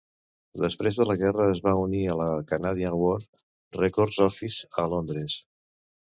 Després de la guerra es va unir a la Canadian War records Office a Londres.